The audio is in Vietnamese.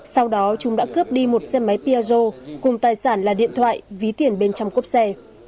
sau đó chúng đã cướp đi một xe máy piaggio cùng tài sản là điện thoại ví tiền bên trong cốp xe